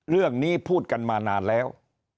เรื่องนี้พูดกันมานานแล้ว